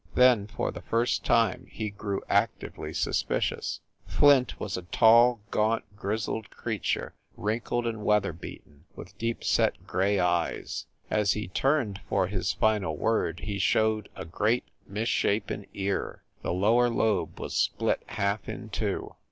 Then, for the first time, he grew actively sus picious. Flint was a tall, gaunt, grizzled creature, wrinkled and weatherbeaten, with deep set gray eyes. As he turned for his final word, he showed a great, misshapen ear. The lower lobe was split half in two.